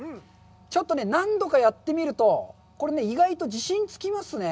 ちょっとね、何度かやってみると、これね、意外と自信つきますね。